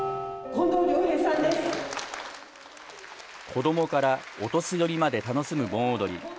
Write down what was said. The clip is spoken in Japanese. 子どもからお年寄りまで楽しむ盆踊り。